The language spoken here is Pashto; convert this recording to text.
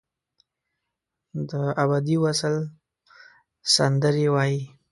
دابدي وصل سندرې وایې